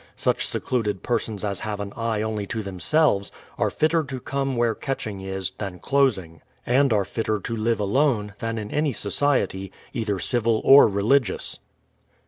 Such secluded persons as have an eye only to themselves, are fitter to come where catching is, than closing ; and are fitter to live alone, than in any society, either civil or religious.